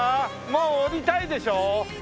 もう降りたいでしょ？